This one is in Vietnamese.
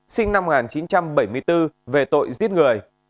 sinh năm một nghìn chín trăm bảy mươi bốn về tội giết người